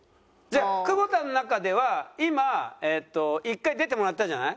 じゃあ久保田の中では今１回出てもらったじゃない？